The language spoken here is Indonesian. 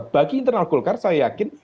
bagi internal golkar saya yakin